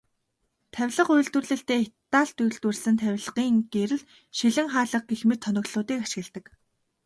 Тавилга үйлдвэрлэлдээ Италид үйлдвэрлэсэн тавилгын гэрэл, шилэн хаалга гэх мэт тоноглолуудыг ашигладаг.